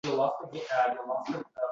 Borib, buvimniyam bir yo‘qlayin endi